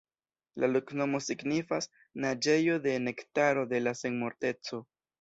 La loknomo signifas: "Naĝejo de Nektaro de la Senmorteco".